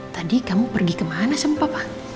tadi kamu pergi ke mana sama papa